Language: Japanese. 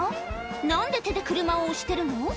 何で手で車を押してるの？